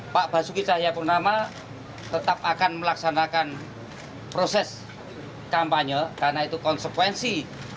pak basuki cahayapurnama tetap akan melaksanakan proses kampanye karena itu konsekuensi